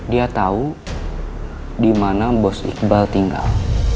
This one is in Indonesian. dia tahu di mana bos iqbal tinggal